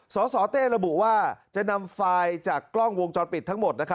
สสเต้ระบุว่าจะนำไฟล์จากกล้องวงจรปิดทั้งหมด